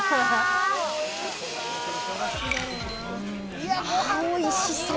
うわおいしそう！